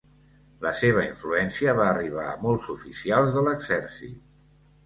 La seva influència va arribar a molts oficials de l'exèrcit.